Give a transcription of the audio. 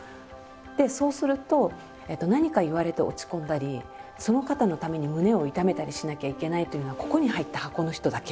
でそうすると何か言われて落ち込んだりその方のために胸を痛めたりしなきゃいけないというのはここに入った箱の人だけ。